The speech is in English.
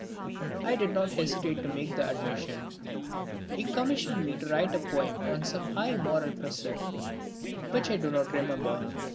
I did not hesitate to make the admission. He commissioned me to write a poem on some high moral precept which I do not remember.